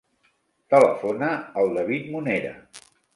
Telefona al David Munera.